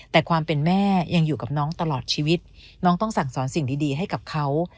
แต่ความเป็นแม่ยังอยู่กับน้องตลอดชีวิตน้องต้องสั่งสอนสิ่งดีให้กับเขา